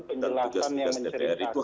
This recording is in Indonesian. penjelasan yang menceritakan